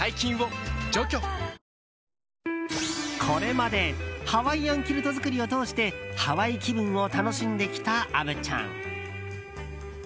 これまでハワイアンキルト作りを通してハワイ気分を楽しんできた虻ちゃん。